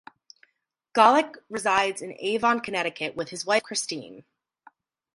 Golic resides in Avon, Connecticut with his wife Christine.